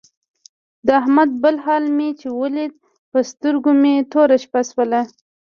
د احمد بدل حال مې چې ولید په سترګو مې توره شپه شوله.